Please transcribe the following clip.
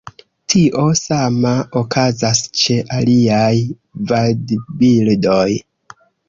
Tio sama okazas ĉe aliaj vadbirdoj.